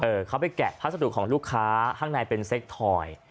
เขาไปแกะพัสดุของลูกค้าข้างในเป็นเซ็กทอย